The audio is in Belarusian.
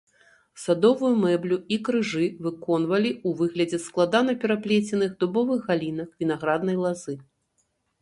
Садовую мэблю і крыжы выконвалі ў выглядзе складана пераплеценых дубовых галінак, вінаграднай лазы.